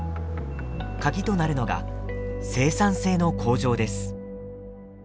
カギとなるのが生産性の向上です。